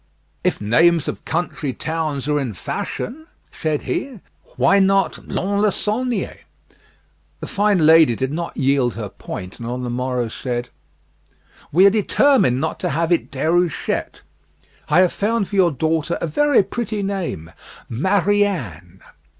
"If names of country towns are in fashion," said he, "why not Lons le Saulnier?" The fine lady did not yield her point, and on the morrow said, "We are determined not to have it Déruchette; I have found for your daughter a pretty name Marianne."